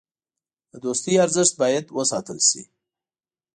د دوستۍ ارزښت باید وساتل شي.